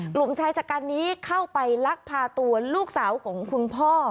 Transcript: กลุ่มชายชะกันนี้เข้าไปลักพาตัวลูกสาวของคุณพ่อ